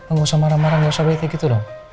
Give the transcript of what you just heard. nggak usah marah marah nggak usah beretik gitu dong